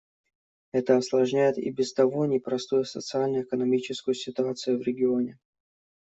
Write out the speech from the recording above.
Это осложняет и без того непростую социально-экономическую ситуацию в регионе.